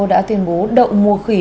đã tuyên bố đậu mùa khỉ